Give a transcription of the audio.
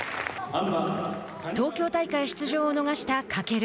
東京大会出場を逃した翔。